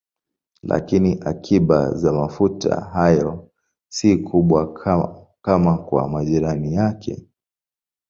Lakini akiba za mafuta hayo si kubwa kama kwa majirani yake.